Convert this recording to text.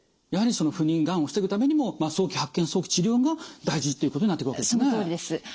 やはりその不妊がんを防ぐためにも早期発見早期治療が大事っていうことになってくるわけですね。